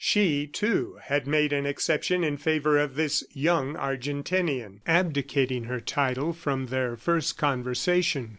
She, too, had made an exception in favor of this young Argentinian, abdicating her title from their first conversation.